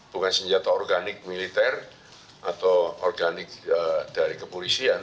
bukan senjata organik militer atau organik dari kepolisian